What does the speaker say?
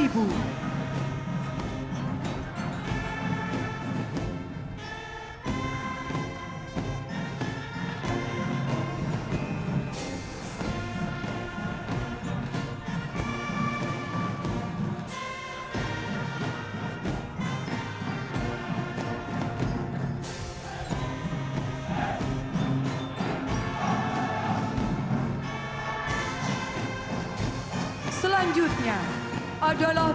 batalion gabungan kodam jaya